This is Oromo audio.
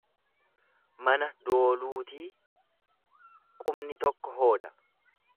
Mana dooluutii qubni tokko hooda.